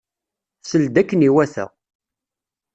Sel-d akken iwata.